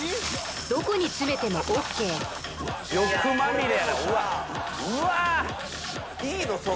どこに詰めてもＯＫやな